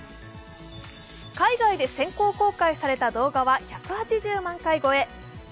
海外で先行公開された動画は１８０万回超え。